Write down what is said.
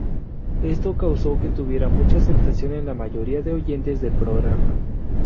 Esto causó que tuviera mucha aceptación en la mayoría de oyentes del programa.